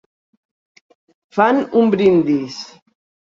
Fan un brindis.